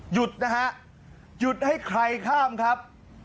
หยุดนะฮะหยุดให้ใครข้ามครับ